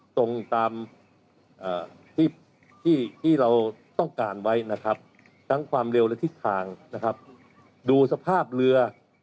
ตรงตามที่เราต้องการไว้นะครับทั้งความเร็วและทิศทางนะครับดูสภาพเรือ